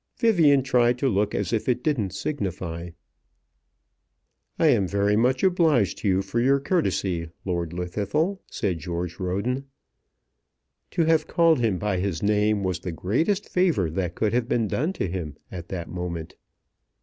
Vivian tried to look as if it didn't signify. "I am very much obliged to you for your courtesy, Lord Llwddythlw," said George Roden. To have called him by his name was the greatest favour that could have been done to him at that moment.